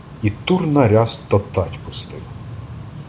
І Турна ряст топтать пустив.